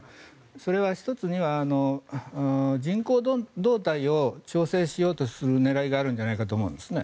それは１つには人口動態を調整しようとする狙いがあるんじゃないかと思うんですね。